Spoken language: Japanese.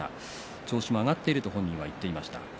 調子は上がっていると本人が言っていました。